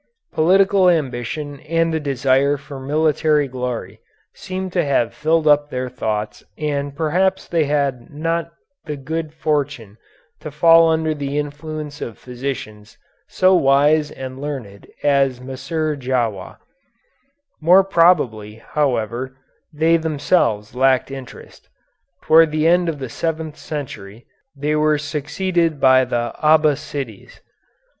Political ambition and the desire for military glory seem to have filled up their thoughts and perhaps they had not the good fortune to fall under the influence of physicians so wise and learned as Maser Djawah. More probably, however, they themselves lacked interest. Toward the end of the seventh century they were succeeded by the Abbassides.